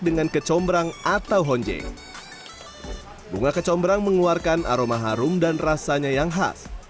dengan kecombrang atau honjeng bunga kecombrang mengeluarkan aroma harum dan rasanya yang khas